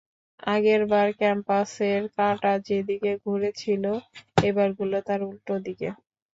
আগেরবার কম্পাসের কাঁটা যেদিকে ঘুরেছিল, এবার ঘুরল তার উল্টোদিকে।